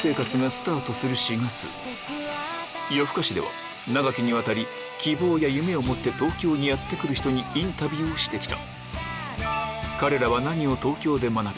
『夜ふかし』では長きにわたり希望や夢を持って東京にやって来る人にインタビューをしてきた